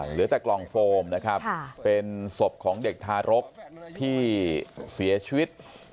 เหลือแต่กล่องโฟมนะครับเป็นศพของเด็กทารกที่เสียชีวิต